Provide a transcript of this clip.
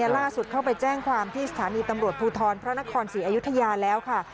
เข้าไปแจ้งความที่สถานีตำรวจภูทรพระนครศรีอยุธยาแล้วค่ะ